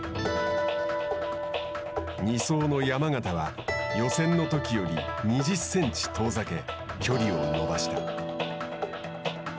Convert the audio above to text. ２走の山縣は予選のときより２０センチ遠ざけ距離を伸ばした。